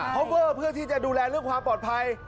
พอเวอร์เพื่อที่จะดูแลเรื่องความปลอดภัย